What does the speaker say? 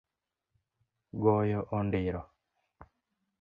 Goyo ondiro